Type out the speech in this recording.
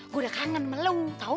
gue udah kangen melau tau